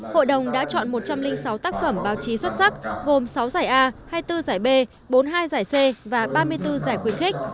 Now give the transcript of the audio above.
hội đồng đã chọn một trăm linh sáu tác phẩm báo chí xuất sắc gồm sáu giải a hai mươi bốn giải b bốn mươi hai giải c và ba mươi bốn giải khuyến khích